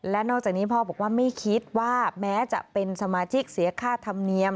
และนอกจากนี้พ่อบอกว่าไม่คิดว่าแม้จะเป็นสมาชิกเสียค่าธรรมเนียม